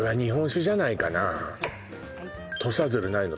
土佐鶴ないの？